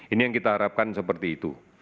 ini yang kita harapkan seperti itu